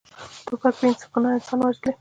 توپک بیګناه کسان وژلي.